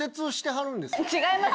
違います